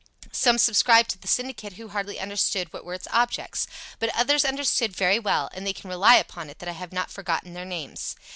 Some subscribed to the syndicate who hardly understood what were its objects. But others understood very well, and they can rely upon it that I have not forgotten their names.